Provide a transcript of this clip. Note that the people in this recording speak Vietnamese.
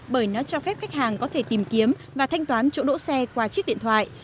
bởi nó cho phép khách hàng có thể tìm kiếm và thanh toán chỗ đỗ xe qua chiếc điện thoại